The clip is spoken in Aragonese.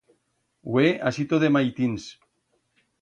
Hue has ito de maitins.